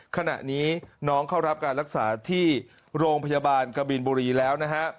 ขณะนี้น้องเข้ารับการรักษาที่โรงพยาบาลกบินบุรีแล้วนะฮะ